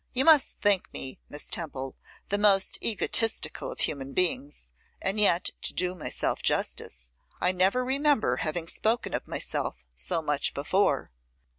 You must think me, Miss Temple, the most egotistical of human beings; and yet, to do myself justice, I never remember having spoken of myself so much before.